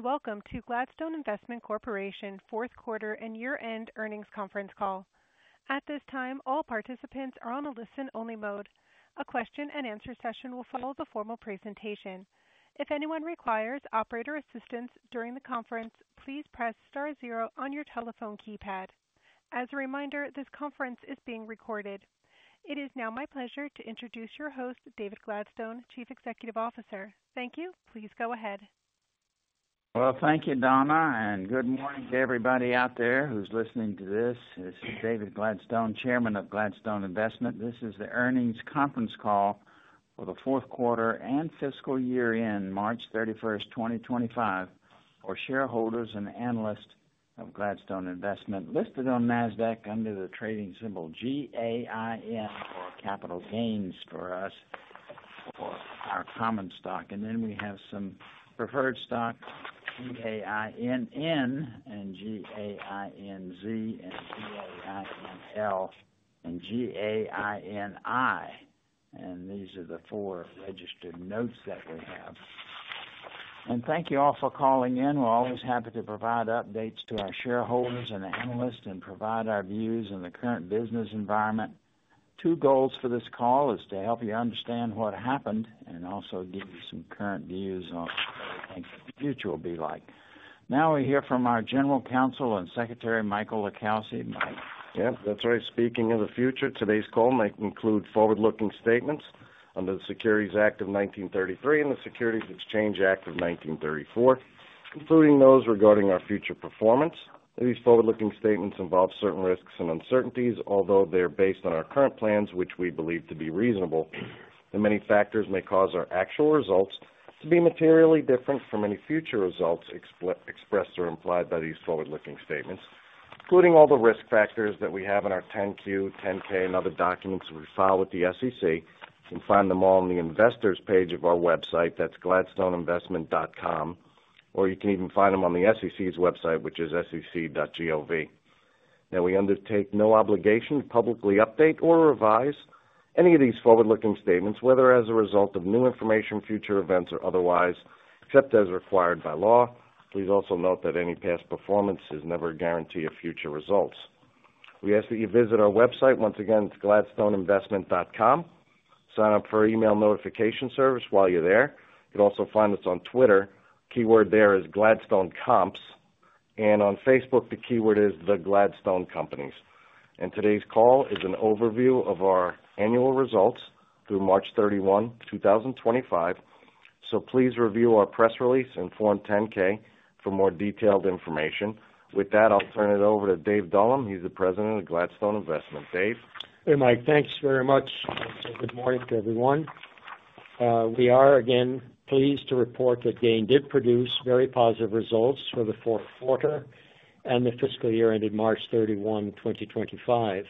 Welcome to Gladstone Investment Corporation's fourth quarter and year-end earnings conference call. At this time, all participants are on a listen-only mode. A question-and-answer session will follow the formal presentation. If anyone requires operator assistance during the conference, please press star zero on your telephone keypad. As a reminder, this conference is being recorded. It is now my pleasure to introduce your host, David Gladstone, Chief Executive Officer. Thank you. Please go ahead. Thank you, Donna, and good morning to everybody out there who's listening to this. This is David Gladstone, Chairman of Gladstone Investment. This is the earnings conference call for the fourth quarter and fiscal year-end, March 31st, 2025, for shareholders and analysts of Gladstone Investment listed on NASDAQ under the trading symbol GAIN for capital gains for us for our common stock. We have some preferred stock, GAINN, GAINZ, GAINL, and GAINI. These are the four registered notes that we have. Thank you all for calling in. We're always happy to provide updates to our shareholders and analysts and provide our views on the current business environment. Two goals for this call are to help you understand what happened and also give you some current views on what the future will be like. Now we hear from our General Counsel and Secretary, Michael LiCalsi. Mike. Yep, that's right. Speaking of the future, today's call might include forward-looking statements under the Securities Act of 1933 and the Securities Exchange Act of 1934, including those regarding our future performance. These forward-looking statements involve certain risks and uncertainties, although they are based on our current plans, which we believe to be reasonable. Many factors may cause our actual results to be materially different from any future results expressed or implied by these forward-looking statements, including all the risk factors that we have in our 10-Q, 10-K, and other documents we file with the SEC. You can find them all on the investors' page of our website. That's gladstoneinvestment.com, or you can even find them on the SEC's website, which is sec.gov. Now, we undertake no obligation to publicly update or revise any of these forward-looking statements, whether as a result of new information, future events, or otherwise, except as required by law. Please also note that any past performance is never a guarantee of future results. We ask that you visit our website once again. It's gladstoneinvestment.com. Sign up for our email notification service while you're there. You can also find us on Twitter. The keyword there is Gladstone Comps. On Facebook, the keyword is The Gladstone Companies. Today's call is an overview of our annual results through March 31, 2025. Please review our press release and Form 10-K for more detailed information. With that, I'll turn it over to Dave Dullum. He's the President of Gladstone Investment. Dave. Hey, Mike. Thanks very much. Good morning to everyone. We are again pleased to report that GAIN did produce very positive results for the fourth quarter and the fiscal year ended March 31, 2025.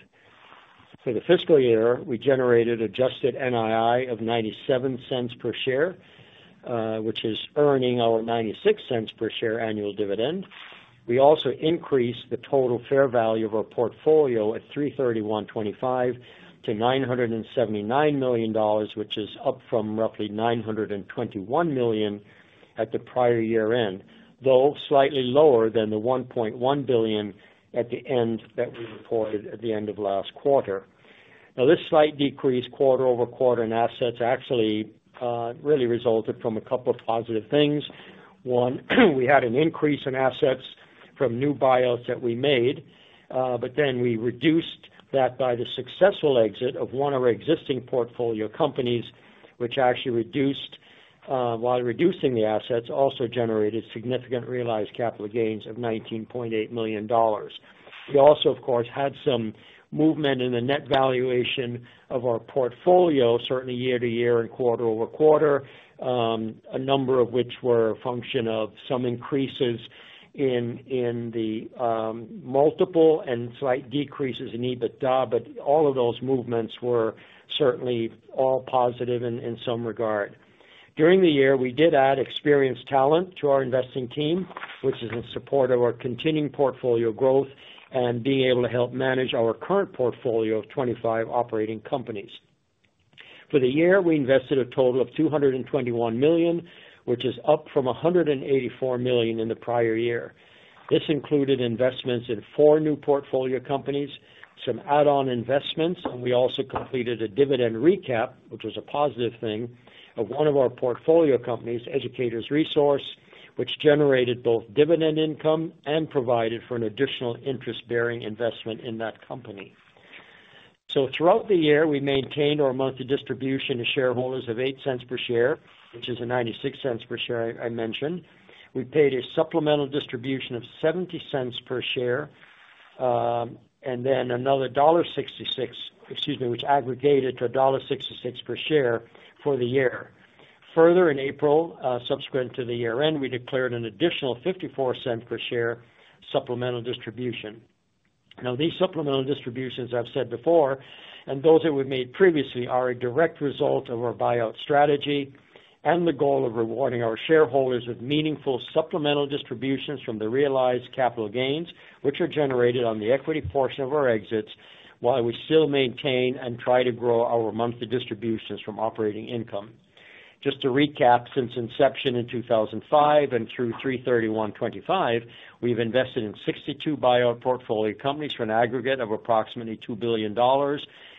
For the fiscal year, we generated adjusted NII of $0.97 per share, which is earning our $0.96 per share annual dividend. We also increased the total fair value of our portfolio at $331.25 to $979 million, which is up from roughly $921 million at the prior year-end, though slightly lower than the $1.1 billion at the end that we reported at the end of last quarter. Now, this slight decrease quarter over quarter in assets actually really resulted from a couple of positive things. One, we had an increase in assets from new buyouts that we made, but then we reduced that by the successful exit of one of our existing portfolio companies, which actually reduced, while reducing the assets, also generated significant realized capital gains of $19.8 million. We also, of course, had some movement in the net valuation of our portfolio, certainly year to year and quarter over quarter, a number of which were a function of some increases in the multiple and slight decreases in EBITDA, but all of those movements were certainly all positive in some regard. During the year, we did add experienced talent to our investing team, which is in support of our continuing portfolio growth and being able to help manage our current portfolio of 25 operating companies. For the year, we invested a total of $221 million, which is up from $184 million in the prior year. This included investments in four new portfolio companies, some add-on investments, and we also completed a dividend recap, which was a positive thing, of one of our portfolio companies, Educators Resource, which generated both dividend income and provided for an additional interest-bearing investment in that company. Throughout the year, we maintained our monthly distribution to shareholders of $0.08 per share, which is a $0.96 per share I mentioned. We paid a supplemental distribution of $0.70 per share and then another $1.66, excuse me, which aggregated to $1.66 per share for the year. Further, in April, subsequent to the year-end, we declared an additional $0.54 per share supplemental distribution. Now, these supplemental distributions, I've said before, and those that we made previously are a direct result of our buyout strategy and the goal of rewarding our shareholders with meaningful supplemental distributions from the realized capital gains, which are generated on the equity portion of our exits, while we still maintain and try to grow our monthly distributions from operating income. Just to recap, since inception in 2005 and through March 31, 2025, we've invested in 62 buyout portfolio companies for an aggregate of approximately $2 billion,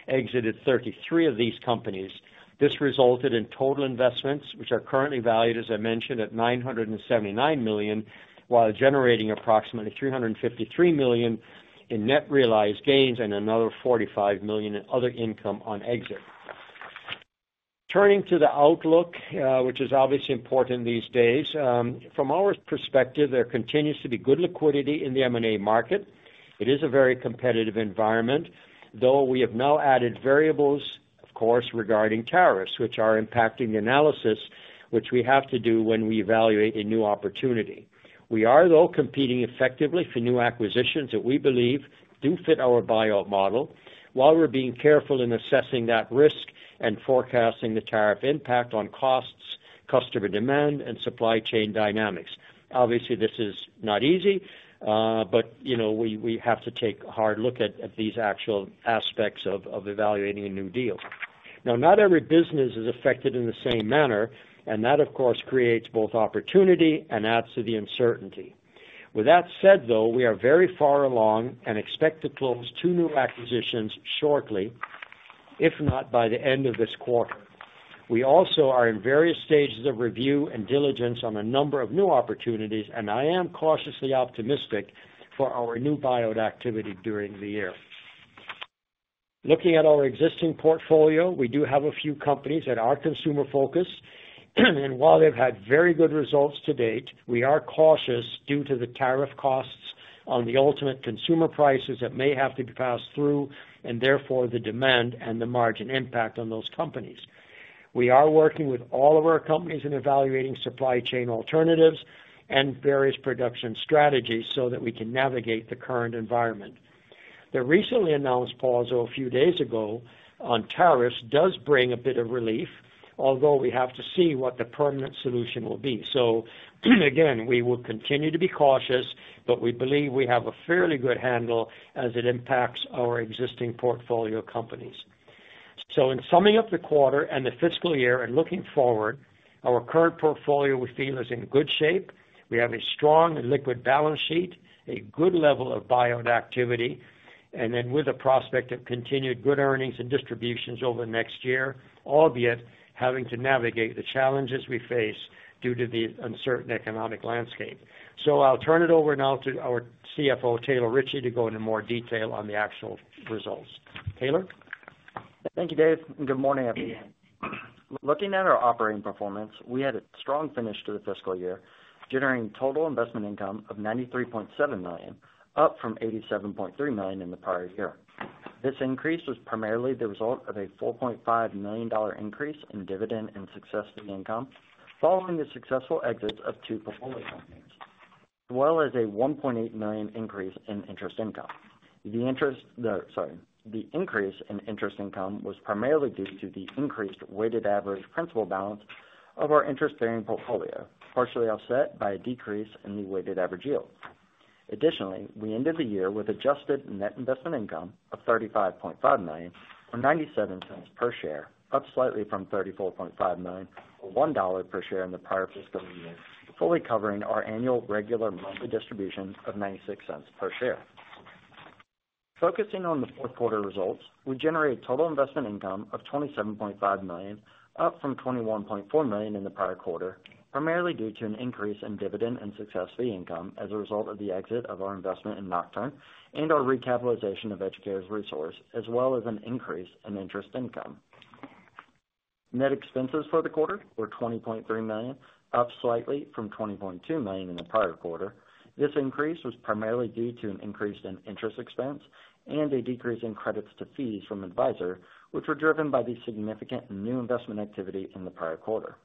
exited 33 of these companies. This resulted in total investments, which are currently valued, as I mentioned, at $979 million, while generating approximately $353 million in net realized gains and another $45 million in other income on exit. Turning to the outlook, which is obviously important these days, from our perspective, there continues to be good liquidity in the M&A market. It is a very competitive environment, though we have now added variables, of course, regarding tariffs, which are impacting the analysis, which we have to do when we evaluate a new opportunity. We are, though, competing effectively for new acquisitions that we believe do fit our buyout model, while we're being careful in assessing that risk and forecasting the tariff impact on costs, customer demand, and supply chain dynamics. Obviously, this is not easy, but we have to take a hard look at these actual aspects of evaluating a new deal. Now, not every business is affected in the same manner, and that, of course, creates both opportunity and adds to the uncertainty. With that said, though, we are very far along and expect to close two new acquisitions shortly, if not by the end of this quarter. We also are in various stages of review and diligence on a number of new opportunities, and I am cautiously optimistic for our new buyout activity during the year. Looking at our existing portfolio, we do have a few companies that are consumer-focused, and while they've had very good results to date, we are cautious due to the tariff costs on the ultimate consumer prices that may have to be passed through, and therefore the demand and the margin impact on those companies. We are working with all of our companies in evaluating supply chain alternatives and various production strategies so that we can navigate the current environment. The recently announced pause a few days ago on tariffs does bring a bit of relief, although we have to see what the permanent solution will be. Again, we will continue to be cautious, but we believe we have a fairly good handle as it impacts our existing portfolio companies. In summing up the quarter and the fiscal year and looking forward, our current portfolio, we feel, is in good shape. We have a strong and liquid balance sheet, a good level of buyout activity, and then with the prospect of continued good earnings and distributions over the next year, albeit having to navigate the challenges we face due to the uncertain economic landscape. I'll turn it over now to our CFO, Taylor Ritchie, to go into more detail on the actual results. Taylor. Thank you, Dave. Good morning, everyone. Looking at our operating performance, we had a strong finish to the fiscal year, generating total investment income of $93.7 million, up from $87.3 million in the prior year. This increase was primarily the result of a $4.5 million increase in dividend and successful income following the successful exits of two portfolio companies, as well as a $1.8 million increase in interest income. The increase in interest income was primarily due to the increased weighted average principal balance of our interest-bearing portfolio, partially offset by a decrease in the weighted average yield. Additionally, we ended the year with adjusted net investment income of $35.5 million, or $0.97 per share, up slightly from $34.5 million, or $1 per share in the prior fiscal year, fully covering our annual regular monthly distribution of $0.96 per share. Focusing on the fourth quarter results, we generated total investment income of $27.5 million, up from $21.4 million in the prior quarter, primarily due to an increase in dividend and successful income as a result of the exit of our investment in Nocturne and our recapitalization of Educators Resource, as well as an increase in interest income. Net expenses for the quarter were $20.3 million, up slightly from $20.2 million in the prior quarter. This increase was primarily due to an increase in interest expense and a decrease in credits to fees from Advisor, which were driven by the significant new investment activity in the prior quarter.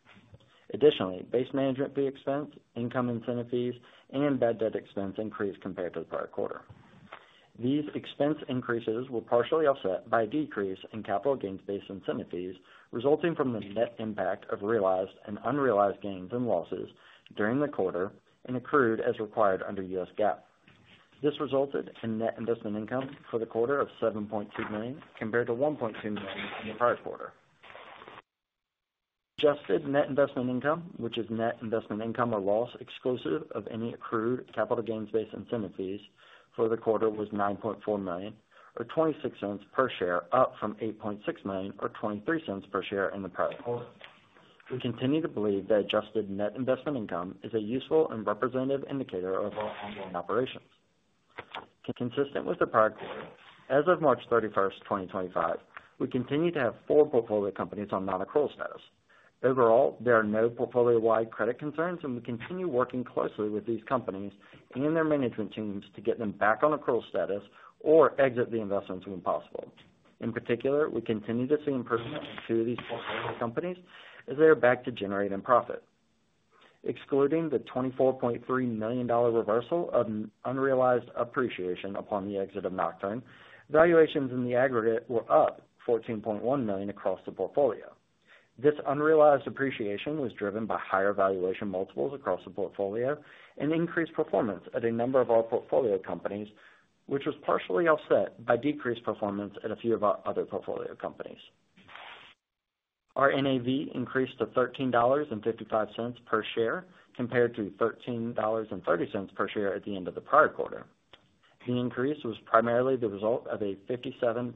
Additionally, base management fee expense, income incentive fees, and bad debt expense increased compared to the prior quarter. These expense increases were partially offset by a decrease in capital gains-based incentive fees, resulting from the net impact of realized and unrealized gains and losses during the quarter and accrued as required under U.S. GAAP. This resulted in net investment income for the quarter of $7.2 million compared to $1.2 million in the prior quarter. Adjusted net investment income, which is net investment income or loss exclusive of any accrued capital gains-based incentive fees for the quarter, was $9.4 million, or $0.26 per share, up from $8.6 million, or $0.23 per share in the prior quarter. We continue to believe that adjusted net investment income is a useful and representative indicator of our ongoing operations. Consistent with the prior quarter, as of March 31st, 2025, we continue to have four portfolio companies on non-accrual status. Overall, there are no portfolio-wide credit concerns, and we continue working closely with these companies and their management teams to get them back on accrual status or exit the investments when possible. In particular, we continue to see improvement in two of these portfolio companies as they are back to generating profit. Excluding the $24.3 million reversal of unrealized appreciation upon the exit of Nocturne, valuations in the aggregate were up $14.1 million across the portfolio. This unrealized appreciation was driven by higher valuation multiples across the portfolio and increased performance at a number of our portfolio companies, which was partially offset by decreased performance at a few of our other portfolio companies. Our NAV increased to $13.55 per share compared to $13.30 per share at the end of the prior quarter. The increase was primarily the result of $0.57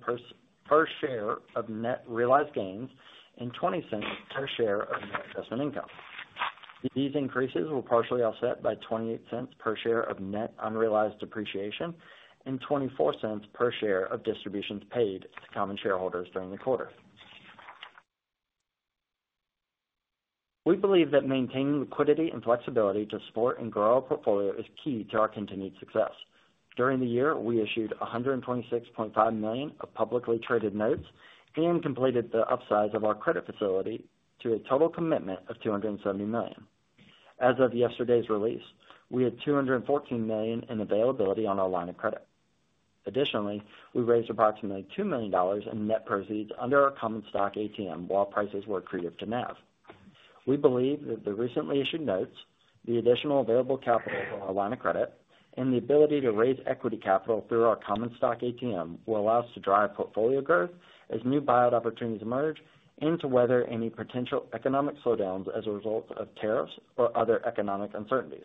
per share of net realized gains and $0.20 per share of net investment income. These increases were partially offset by $0.28 per share of net unrealized depreciation and $0.24 per share of distributions paid to common shareholders during the quarter. We believe that maintaining liquidity and flexibility to support and grow our portfolio is key to our continued success. During the year, we issued $126.5 million of publicly traded notes and completed the upsize of our credit facility to a total commitment of $270 million. As of yesterday's release, we had $214 million in availability on our line of credit. Additionally, we raised approximately $2 million in net proceeds under our common stock ATM while prices were accretive to NAV. We believe that the recently issued notes, the additional available capital for our line of credit, and the ability to raise equity capital through our common stock ATM will allow us to drive portfolio growth as new buyout opportunities emerge and to weather any potential economic slowdowns as a result of tariffs or other economic uncertainties.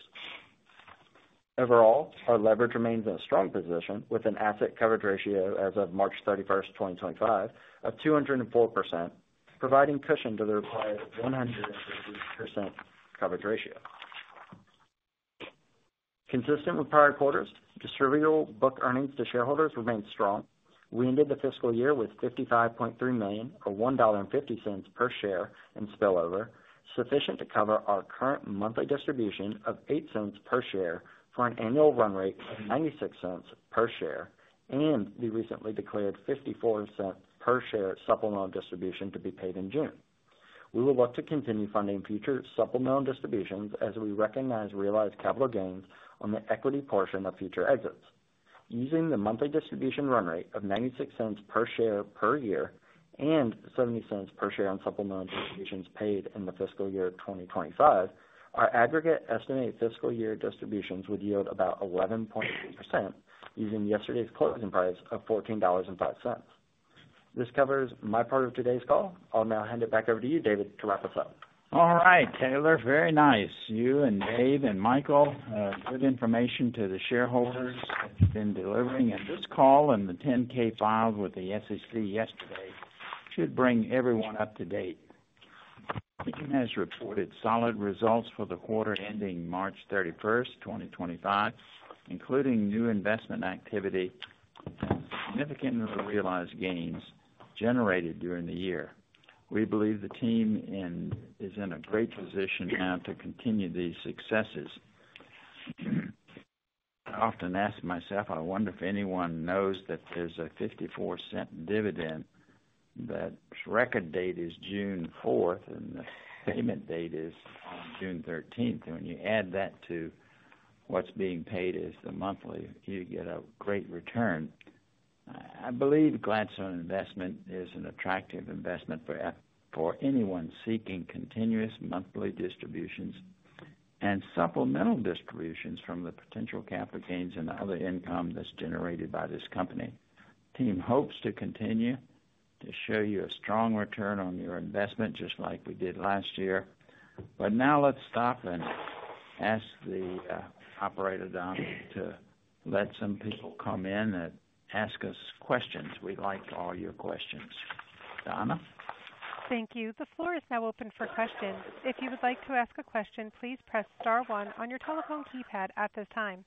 Overall, our leverage remains in a strong position with an asset coverage ratio as of March 31, 2025, of 204%, providing cushion to the required 150% coverage ratio. Consistent with prior quarters, distributable book earnings to shareholders remained strong. We ended the fiscal year with $55.3 million, or $1.50 per share in spillover, sufficient to cover our current monthly distribution of $0.08 per share for an annual run rate of $0.96 per share and the recently declared $0.54 per share supplemental distribution to be paid in June. We will look to continue funding future supplemental distributions as we recognize realized capital gains on the equity portion of future exits. Using the monthly distribution run rate of $0.96 per share per year and $0.70 per share on supplemental distributions paid in the fiscal year of 2025, our aggregate estimated fiscal year distributions would yield about 11.8% using yesterday's closing price of $14.05. This covers my part of today's call. I'll now hand it back over to you, David, to wrap us up. All right, Taylor. Very nice. You and Dave and Michael, good information to the shareholders that you've been delivering at this call and the 10-K filed with the SEC yesterday should bring everyone up to date. The team has reported solid results for the quarter ending March 31st, 2025, including new investment activity and significant realized gains generated during the year. We believe the team is in a great position now to continue these successes. I often ask myself, I wonder if anyone knows that there's a $0.54 dividend, but record date is June 4th and the payment date is on June 13th. When you add that to what's being paid as the monthly, you get a great return. I believe Gladstone Investment is an attractive investment for anyone seeking continuous monthly distributions and supplemental distributions from the potential capital gains and other income that's generated by this company. The team hopes to continue to show you a strong return on your investment just like we did last year. Now let's stop and ask the operator, Donna, to let some people come in and ask us questions. We'd like all your questions. Donna? Thank you. The floor is now open for questions. If you would like to ask a question, please press Star one on your telephone keypad at this time.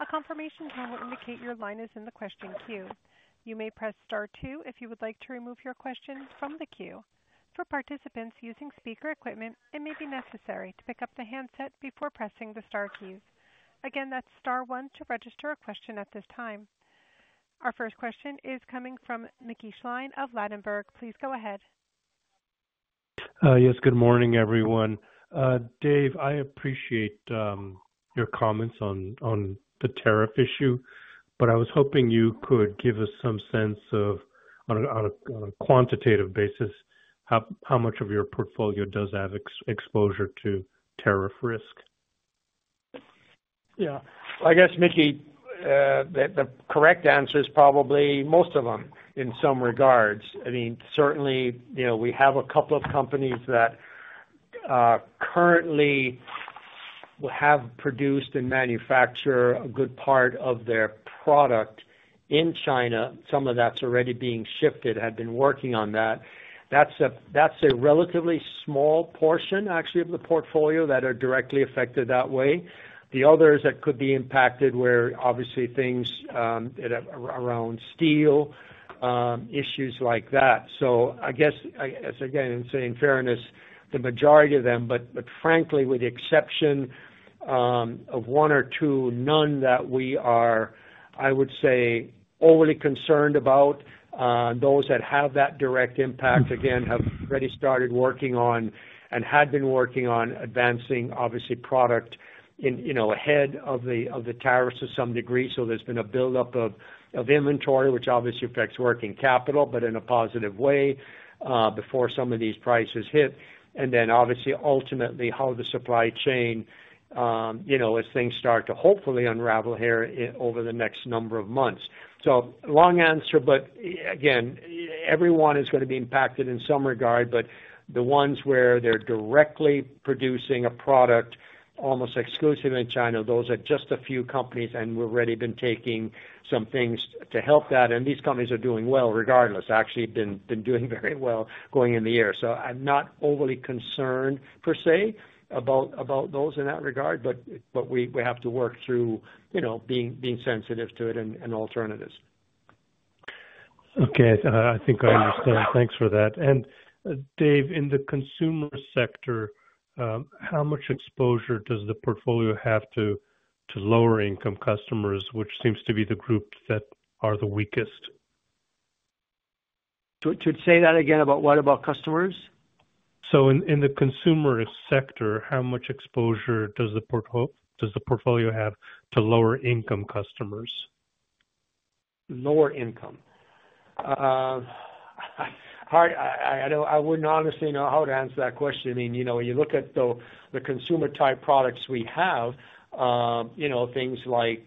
A confirmation tone will indicate your line is in the question queue. You may press Star two if you would like to remove your question from the queue. For participants using speaker equipment, it may be necessary to pick up the handset before pressing the Star keys. Again, that's Star one to register a question at this time. Our first question is coming from Mickey Schleien of Ladenburg. Please go ahead. Yes, good morning, everyone. Dave, I appreciate your comments on the tariff issue, but I was hoping you could give us some sense of, on a quantitative basis, how much of your portfolio does have exposure to tariff risk. Yeah. I guess, MIckey, the correct answer is probably most of them in some regards. I mean, certainly, we have a couple of companies that currently have produced and manufacture a good part of their product in China. Some of that's already being shifted, had been working on that. That's a relatively small portion, actually, of the portfolio that are directly affected that way. The others that could be impacted were, obviously, things around steel, issues like that. I guess, again, in saying fairness, the majority of them, but frankly, with the exception of one or two, none that we are, I would say, overly concerned about. Those that have that direct impact, again, have already started working on and had been working on advancing, obviously, product ahead of the tariffs to some degree. There has been a buildup of inventory, which obviously affects working capital, but in a positive way before some of these prices hit. Obviously, ultimately, how the supply chain, as things start to hopefully unravel here over the next number of months. Long answer, but again, everyone is going to be impacted in some regard, but the ones where they are directly producing a product almost exclusively in China, those are just a few companies and we have already been taking some things to help that. These companies are doing well regardless, actually been doing very well going in the year. I am not overly concerned, per se, about those in that regard, but we have to work through being sensitive to it and alternatives. Okay. I think I understand. Thanks for that. Dave, in the consumer sector, how much exposure does the portfolio have to lower-income customers, which seems to be the group that are the weakest? To say that again, about what about customers? In the consumer sector, how much exposure does the portfolio have to lower-income customers? Lower income. I wouldn't honestly know how to answer that question. I mean, you look at the consumer-type products we have, things like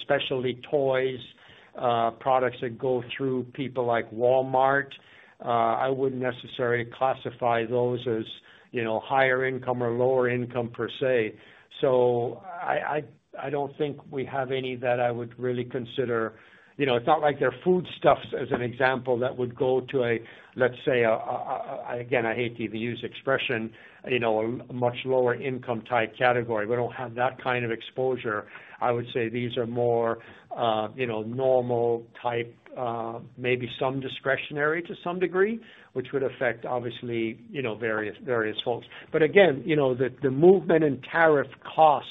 especially toys, products that go through people like Walmart, I wouldn't necessarily classify those as higher-income or lower-income, per se. I don't think we have any that I would really consider. It's not like they're foodstuffs, as an example, that would go to a, let's say, again, I hate to even use the expression, a much lower-income-type category. We don't have that kind of exposure. I would say these are more normal-type, maybe some discretionary to some degree, which would affect, obviously, various folks. The movement in tariff costs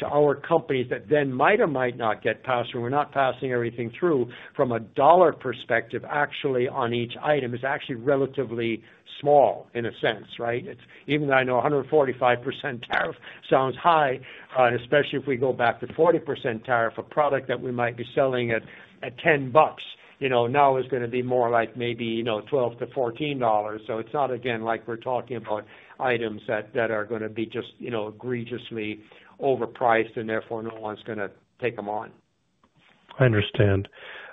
to our companies that then might or might not get passed, and we're not passing everything through from a dollar perspective, actually, on each item is actually relatively small in a sense, right? Even though I know 145% tariff sounds high, and especially if we go back to 40% tariff, a product that we might be selling at $10 now is going to be more like maybe $12-$14. So it's not, again, like we're talking about items that are going to be just egregiously overpriced and therefore no one's going to take them on. I understand.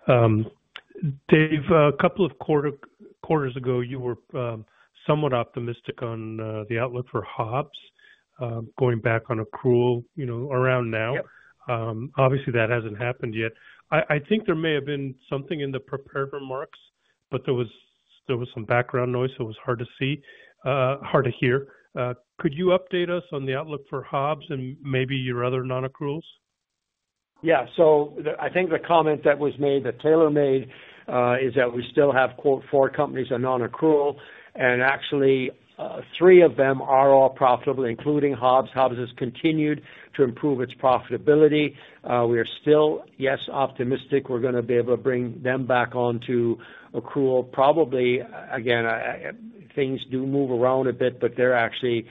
Dave, a couple of quarters ago, you were somewhat optimistic on the outlook for Hobbs going back on accrual around now. Obviously, that has not happened yet. I think there may have been something in the prepared remarks, but there was some background noise that was hard to see, hard to hear. Could you update us on the outlook for Hobbs and maybe your other non-accruals? Yeah. I think the comment that was made that Taylor made is that we still have, quote, four companies that are non-accrual, and actually three of them are all profitable, including Hobbs. Hobbs has continued to improve its profitability. We are still, yes, optimistic we're going to be able to bring them back onto accrual. Probably, again, things do move around a bit, but they're actually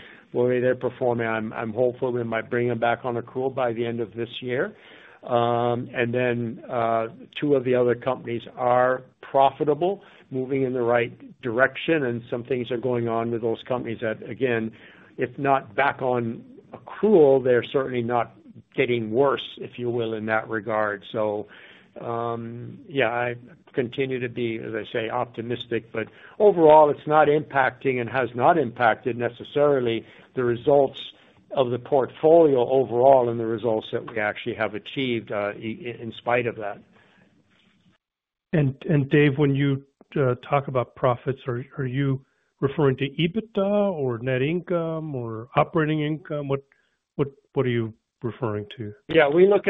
where they're performing. I'm hopeful we might bring them back on accrual by the end of this year. Two of the other companies are profitable, moving in the right direction, and some things are going on with those companies that, again, if not back on accrual, they're certainly not getting worse, if you will, in that regard. Yeah, I continue to be, as I say, optimistic, but overall, it's not impacting and has not impacted necessarily the results of the portfolio overall and the results that we actually have achieved in spite of that. Dave, when you talk about profits, are you referring to EBITDA or net income or operating income? What are you referring to? Yeah. We look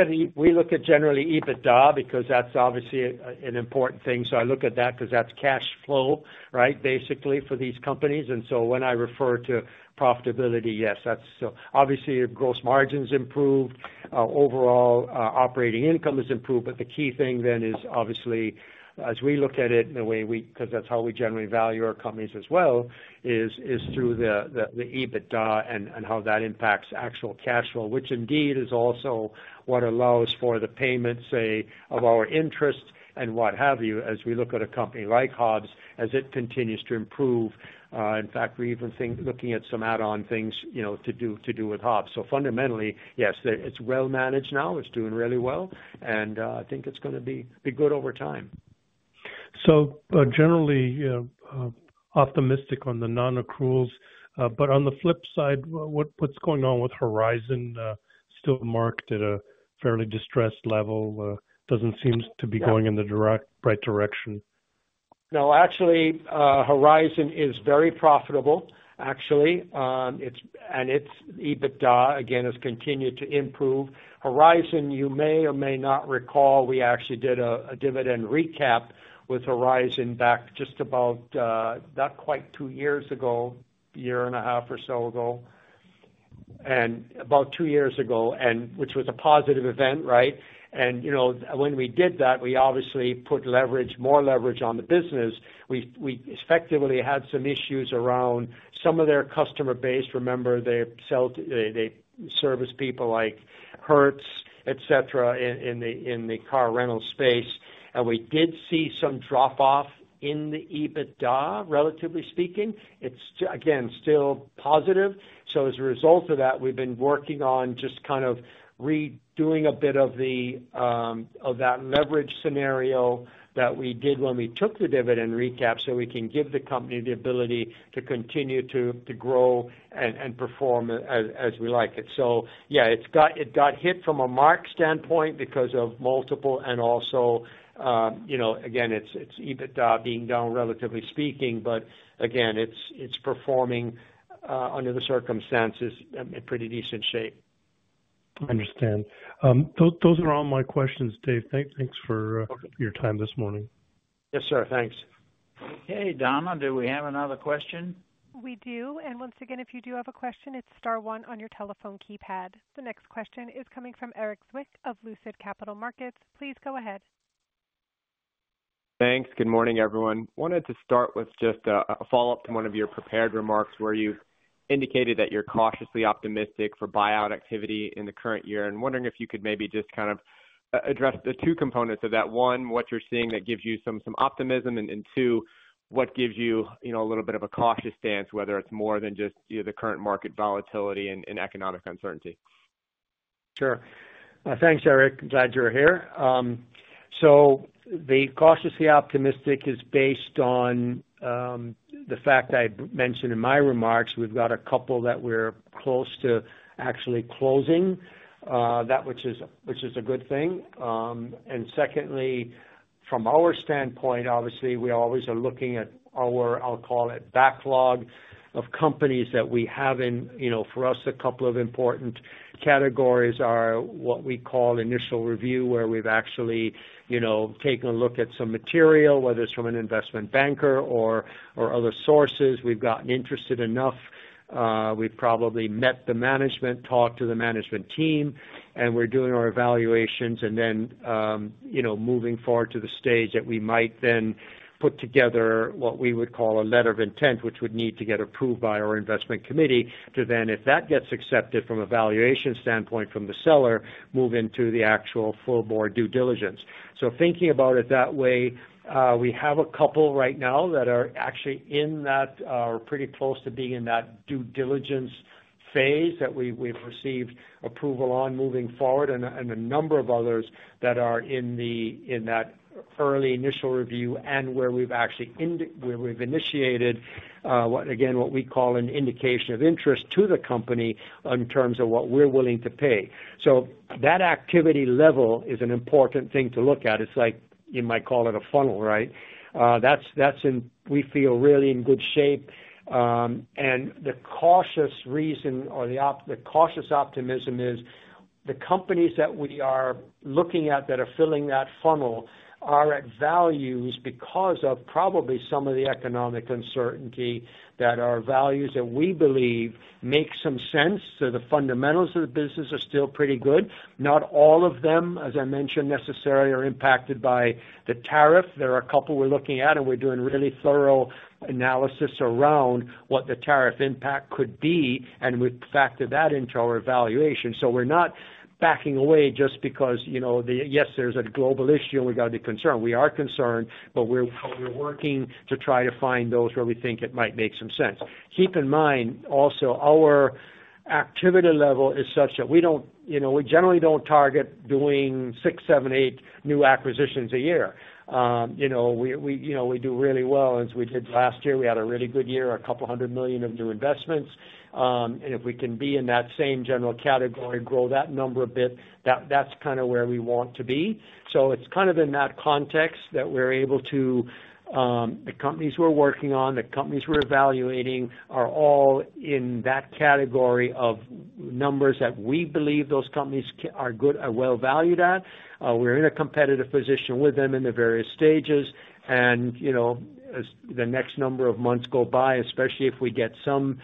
at generally EBITDA because that's obviously an important thing. I look at that because that's cash flow, right, basically for these companies. When I refer to profitability, yes, that's obviously gross margins improved. Overall, operating income has improved. The key thing then is obviously, as we look at it in the way we, because that's how we generally value our companies as well, is through the EBITDA and how that impacts actual cash flow, which indeed is also what allows for the payment, say, of our interest and what have you as we look at a company like Hobbs as it continues to improve. In fact, we're even looking at some add-on things to do with Hobbs. Fundamentally, yes, it's well managed now. It's doing really well. I think it's going to be good over time. Generally optimistic on the non-accruals. On the flip side, what's going on with Horizon? Still marked at a fairly distressed level. Doesn't seem to be going in the right direction. No, actually, Horizon is very profitable, actually. And its EBITDA, again, has continued to improve. Horizon, you may or may not recall, we actually did a dividend recap with Horizon back just about not quite two years ago, a year and a half or so ago, and about two years ago, which was a positive event, right? And when we did that, we obviously put more leverage on the business. We effectively had some issues around some of their customer base. Remember, they service people like Hertz, etc., in the car rental space. And we did see some drop-off in the EBITDA, relatively speaking. It's, again, still positive. As a result of that, we've been working on just kind of redoing a bit of that leverage scenario that we did when we took the dividend recap so we can give the company the ability to continue to grow and perform as we like it. Yeah, it got hit from a mark standpoint because of multiple and also, again, its EBITDA being down, relatively speaking, but again, it's performing under the circumstances in pretty decent shape. I understand. Those are all my questions, Dave. Thanks for your time this morning. Yes, sir. Thanks. Okay, Donna, do we have another question? We do. Once again, if you do have a question, it's Star 1 on your telephone keypad. The next question is coming from Eric Zwick of Lucid Capital Markets. Please go ahead. Thanks. Good morning, everyone. Wanted to start with just a follow-up to one of your prepared remarks where you indicated that you're cautiously optimistic for buyout activity in the current year. I am wondering if you could maybe just kind of address the two components of that. One, what you're seeing that gives you some optimism, and two, what gives you a little bit of a cautious stance, whether it's more than just the current market volatility and economic uncertainty. Sure. Thanks, Eric. Glad you're here. The cautiously optimistic is based on the fact I mentioned in my remarks. We've got a couple that we're close to actually closing, which is a good thing. Secondly, from our standpoint, obviously, we always are looking at our, I'll call it, backlog of companies that we have in for us. A couple of important categories are what we call initial review, where we've actually taken a look at some material, whether it's from an investment banker or other sources. We've gotten interested enough. We've probably met the management, talked to the management team, and we're doing our evaluations, and then moving forward to the stage that we might then put together what we would call a letter of intent, which would need to get approved by our investment committee to then, if that gets accepted from a valuation standpoint from the seller, move into the actual full-board due diligence. Thinking about it that way, we have a couple right now that are actually in that, are pretty close to being in that due diligence phase that we've received approval on moving forward, and a number of others that are in that early initial review and where we've initiated, again, what we call an indication of interest to the company in terms of what we're willing to pay. That activity level is an important thing to look at. It's like you might call it a funnel, right? We feel really in good shape. The cautious reason or the cautious optimism is the companies that we are looking at that are filling that funnel are at values because of probably some of the economic uncertainty that are values that we believe make some sense. The fundamentals of the business are still pretty good. Not all of them, as I mentioned, necessarily are impacted by the tariff. There are a couple we're looking at, and we're doing really thorough analysis around what the tariff impact could be, and we factor that into our evaluation. We're not backing away just because, yes, there's a global issue and we got to be concerned. We are concerned, but we're working to try to find those where we think it might make some sense. Keep in mind, also, our activity level is such that we generally don't target doing six, seven, eight new acquisitions a year. We do really well. As we did last year, we had a really good year, a couple hundred million of new investments. If we can be in that same general category, grow that number a bit, that's kind of where we want to be. It's kind of in that context that we're able to, the companies we're working on, the companies we're evaluating are all in that category of numbers that we believe those companies are good, are well valued at. We're in a competitive position with them in the various stages. As the next number of months go by, especially if we get some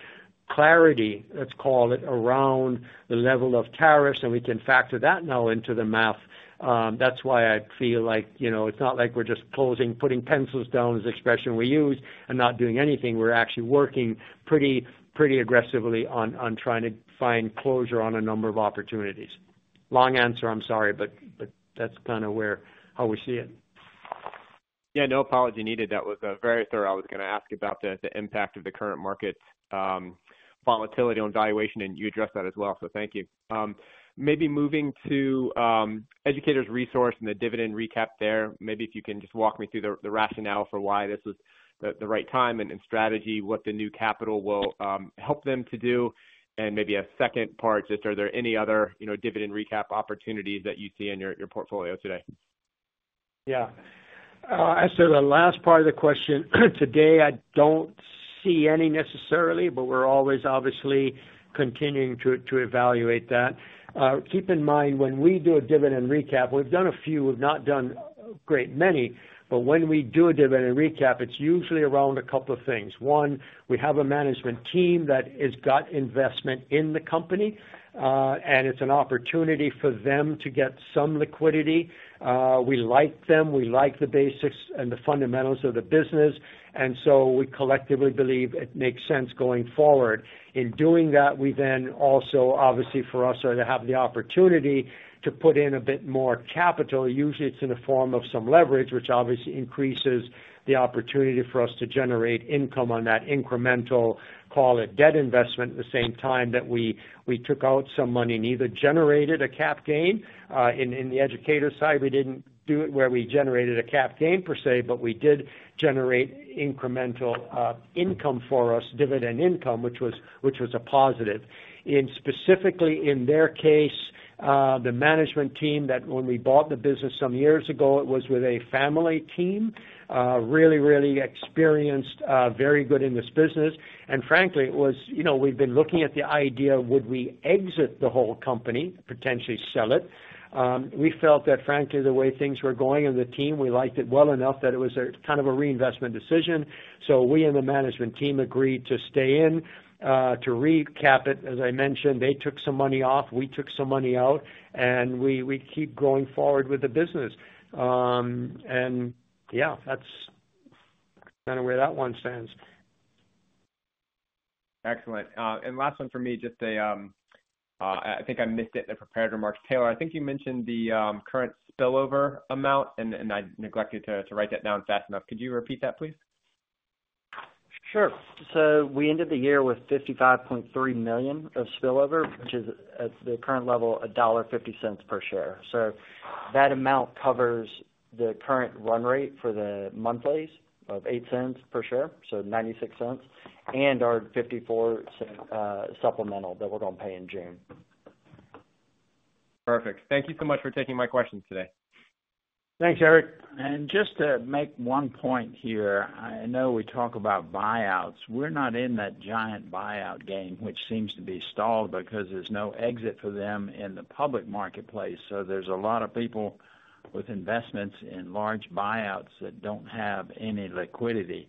clarity, let's call it, around the level of tariffs, we can factor that now into the math. That's why I feel like it's not like we're just closing, putting pencils down, as the expression we use, and not doing anything. We're actually working pretty aggressively on trying to find closure on a number of opportunities. Long answer, I'm sorry, but that's kind of how we see it. Yeah, no apology needed. That was very thorough. I was going to ask about the impact of the current market volatility on valuation, and you addressed that as well. Thank you. Maybe moving to Educators Resource and the dividend recap there. Maybe if you can just walk me through the rationale for why this was the right time and strategy, what the new capital will help them to do. Maybe a second part, just are there any other dividend recap opportunities that you see in your portfolio today? Yeah. As to the last part of the question, today, I don't see any necessarily, but we're always obviously continuing to evaluate that. Keep in mind, when we do a dividend recap, we've done a few. We've not done a great many. When we do a dividend recap, it's usually around a couple of things. One, we have a management team that has got investment in the company, and it's an opportunity for them to get some liquidity. We like them. We like the basics and the fundamentals of the business. We collectively believe it makes sense going forward. In doing that, we then also, obviously, for us, have the opportunity to put in a bit more capital. Usually, it's in the form of some leverage, which obviously increases the opportunity for us to generate income on that incremental, call it, debt investment at the same time that we took out some money and either generated a cap gain. In the Educators Resource side, we didn't do it where we generated a cap gain per se, but we did generate incremental income for us, dividend income, which was a positive. Specifically, in their case, the management team that when we bought the business some years ago, it was with a family team, really, really experienced, very good in this business. Frankly, we've been looking at the idea of would we exit the whole company, potentially sell it. We felt that, frankly, the way things were going in the team, we liked it well enough that it was kind of a reinvestment decision. We and the management team agreed to stay in, to recap it. As I mentioned, they took some money off, we took some money out, and we keep going forward with the business. Yeah, that's kind of where that one stands. Excellent. Last one for me, just I think I missed it in the prepared remarks. Taylor, I think you mentioned the current spillover amount, and I neglected to write that down fast enough. Could you repeat that, please? Sure. We ended the year with $55.3 million of spillover, which is, at the current level, $1.50 per share. That amount covers the current run rate for the monthlies of $0.08 per share, so $0.96, and our $0.54 supplemental that we are going to pay in June. Perfect. Thank you so much for taking my questions today. Thanks, Eric. Just to make one point here, I know we talk about buyouts. We're not in that giant buyout game, which seems to be stalled because there's no exit for them in the public marketplace. There's a lot of people with investments in large buyouts that don't have any liquidity.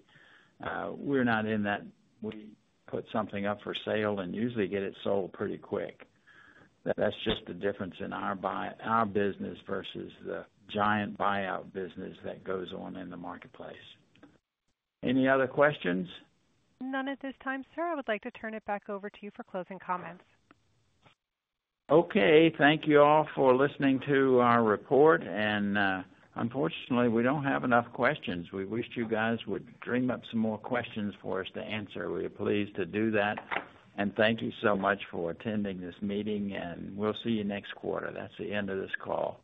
We're not in that. We put something up for sale and usually get it sold pretty quick. That's just the difference in our business versus the giant buyout business that goes on in the marketplace. Any other questions? None at this time, sir. I would like to turn it back over to you for closing comments. Okay. Thank you all for listening to our report. Unfortunately, we do not have enough questions. We wish you guys would dream up some more questions for us to answer. We are pleased to do that. Thank you so much for attending this meeting, and we will see you next quarter. That is the end of this call.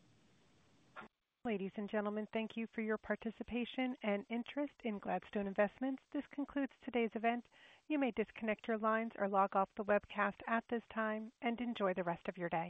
Ladies and gentlemen, thank you for your participation and interest in Gladstone Investment. This concludes today's event. You may disconnect your lines or log off the webcast at this time and enjoy the rest of your day.